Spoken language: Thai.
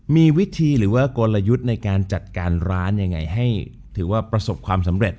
มีวิธีหรือว่ากลยุทธ์ในการจัดการร้านยังไงให้ถือว่าประสบความสำเร็จ